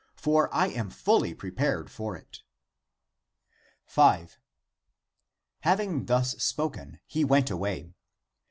For I am fully prepared for it." 5. Having thus spoken, he went away.